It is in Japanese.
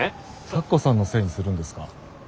咲子さんのせいにするんですか？